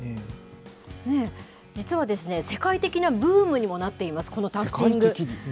実はですね、世界的なブームにもなっています、このタフティング。